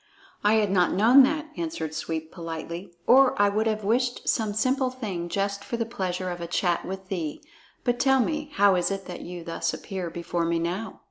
"I had not known that," answered Sweep politely, "or I would have wished some simple thing just for the pleasure of a chat with thee. But tell me, how is it that you thus appear before me now?"